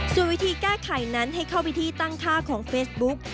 สุดวิธีแก้ไขนั้นให้เข้าวิธีตั้งค่าของเฟสบุ๊ค